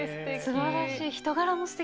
すばらしい。